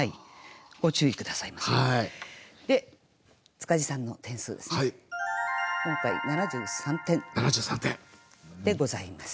塚地さんの点数ですね今回７３点でございます。